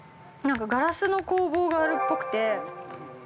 ◆なんかガラスの工房があるっぽくて。